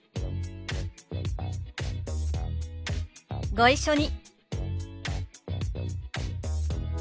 ご一緒に。